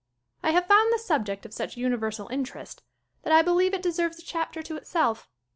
I have found the subject of such universal interest that I believe it deserves a chapter to itself.